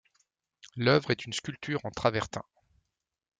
L'œuvre est une sculpture en travertin.